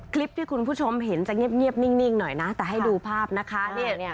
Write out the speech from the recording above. คลิปที่คุณผู้ชมเห็นจะเงียบนิ่งหน่อยนะแต่ให้ดูภาพนะคะ